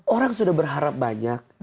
orang sudah berharap banyak